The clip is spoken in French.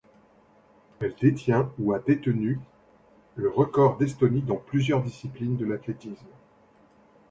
Elle détient ou a détenu le record d'Estonie dans plusieurs disciplines de l'athlétisme.